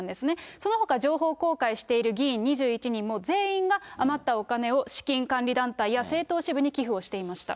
そのほか情報公開している議員２１人も、全員が余ったお金を資金管理団体や政党支部に寄付をしていました。